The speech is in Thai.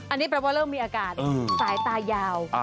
อันนี้แปลว่าเริ่มมีอากาศสายตายาว